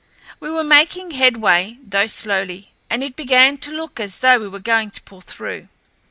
We were making headway, though slowly, and it began to look as though we were going to pull through.